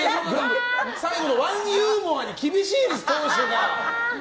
最後のワンユーモアに厳しいんです党首が！